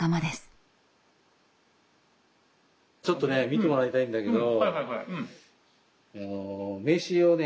これちょっと渡して見てもらいたいんだけど。